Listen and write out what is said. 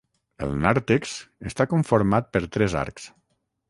El nàrtex està conformat per tres arcs.